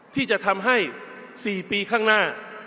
ที่จะทำให้๔ปีข้างหน้า